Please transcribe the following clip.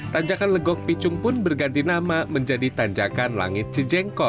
tanjakan legok picung pun berganti nama menjadi tanjakan langit cijengkol